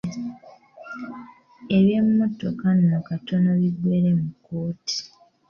Eby'e mmotoka nno katono biggwere mu kkooti.